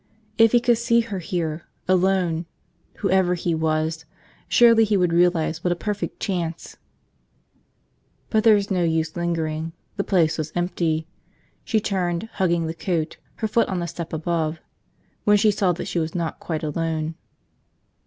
If he could see her here, alone, whoever he was, surely he would realize what a perfect chance ... But there was no use lingering. The place was empty. She turned, hugging the coat, her foot on the step above, when she saw that she was not quite alone.